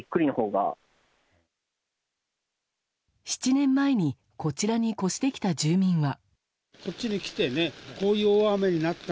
７年前にこちらに越してきた住民は。